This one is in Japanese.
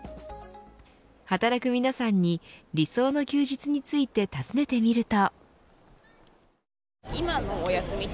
働く皆さんに理想の休日について尋ねてみると。